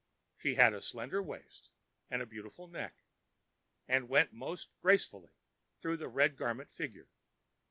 She had a slender waist and a beautiful neck, and went most gracefully through the Red Garment figure.